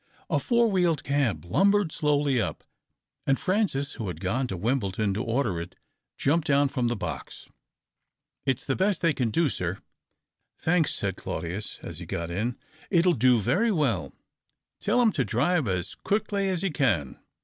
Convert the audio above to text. A four wheeled cab lumbered slowly up, and Francis, who had gone to Wimbledon to order it, jumped down from the box. " It's the best they could do, sir." "Thanks," said Claudius, as he got in. " It will do very well. Tell him to drive as quickly as be can."